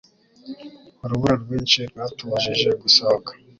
Urubura rwinshi rwatubujije gusohoka.